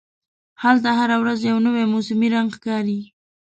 هلته هره ورځ یو نوی موسمي رنګ ښکاري.